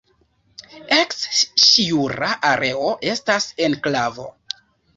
Eks-Ŝiura areo estas enklavo.